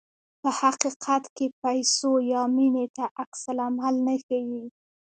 په حقیقت کې پیسو یا مینې ته عکس العمل نه ښيي.